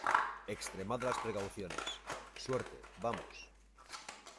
extremad las precauciones. suerte, vamos .